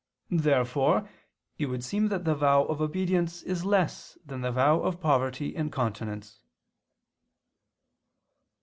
Therefore it would seem that the vow of obedience is less than the vow of poverty and continence.